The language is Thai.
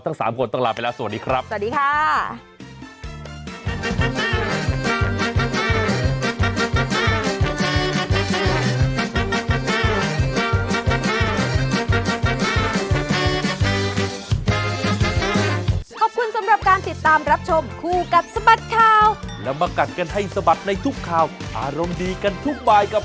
ทั้ง๓คนต้องลาไปแล้วสวัสดีครับ